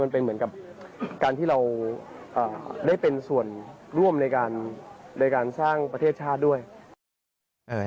เป็นเหมือนกับการที่เราได้เป็นส่วนร่วมในการสร้างประเทศชาติด้วย